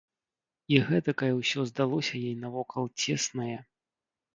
І гэтакае ўсё здалося ёй навокал цеснае!